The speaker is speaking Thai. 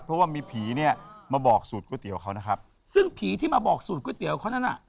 เพราะว่ามีผีเนี่ยมาบอกสูตรก๋วยเตี๋ยวเขานะครับซึ่งผีที่มาบอกสูตรก๋วยเตี๋ยวเขานั่นน่ะ